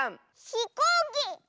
ひこうき。